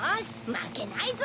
まけないぞ！